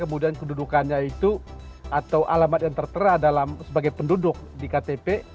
kemudian kedudukannya itu atau alamat yang tertera dalam sebagai penduduk di ktp